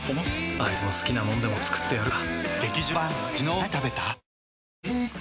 あいつの好きなもんでも作ってやるか